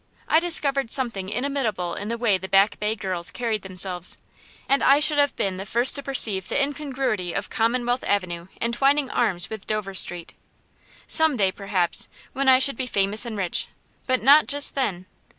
I discovered something inimitable in the way the Back Bay girls carried themselves; and I should have been the first to perceive the incongruity of Commonwealth Avenue entwining arms with Dover Street. Some day, perhaps, when I should be famous and rich; but not just then.